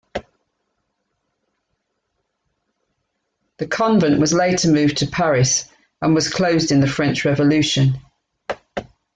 The convent was later moved to Paris and was closed in the French Revolution.